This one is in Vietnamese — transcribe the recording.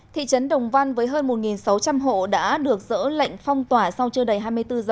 thị trấn đồng văn với hơn một sáu trăm linh hộ đã được dỡ lệnh phong tỏa sau chưa đầy hai mươi bốn h